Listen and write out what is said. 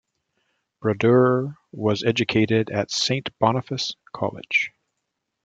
Brodeur was educated at Saint Boniface College.